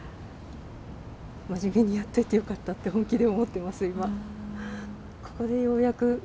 真面目にやっててよかったって本気で思ってます、今。